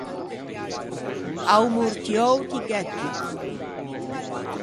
A-o Mortiou ti gh'æ tutto!